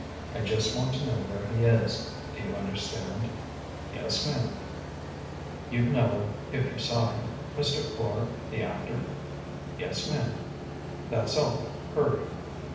I just want to know where he is. Do you understand?" "Yes, ma'm." "You'd know him if you saw him Mr. Quard, the actor?" "Yes, ma'm." "That's all. Hurry."